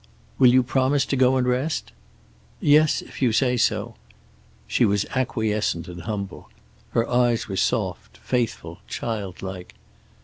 "Will you promise to go and rest?" "Yes. If you say so." She was acquiescent and humble. Her eyes were soft, faithful, childlike.